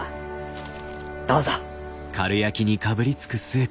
どうぞ。